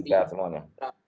salam sehat semuanya